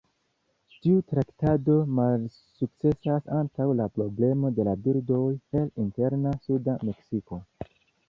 Tiu traktado malsukcesas antaŭ la problemo de la birdoj el interna suda Meksiko.